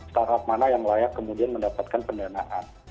startup mana yang layak kemudian mendapatkan pendanaan